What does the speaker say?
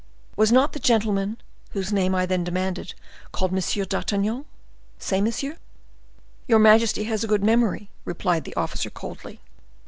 Was not the gentleman, whose name I then demanded, called M. d'Artagnan? say, monsieur." "Your majesty has a good memory," replied the officer, coldly.